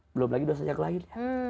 belum lagi dosa yang lainnya